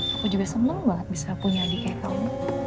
aku juga seneng banget bisa punya adiknya kamu